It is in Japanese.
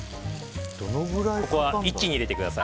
ここは一気に入れてください。